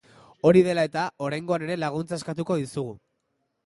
Hori dela eta, oraingoan ere laguntza eskatuko dizugu.